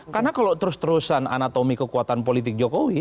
karena kalau terus terusan anatomi kekuatan politik jokowi